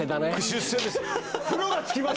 出世です